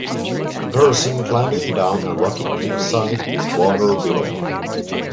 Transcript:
A person climbing down a rocky cliffside with water below